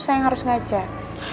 saya harus ngajak